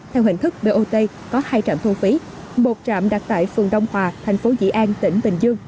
theo hình thức bot có hai trạm thu phí một trạm đặt tại phường đông hòa tp dị an tỉnh bình dương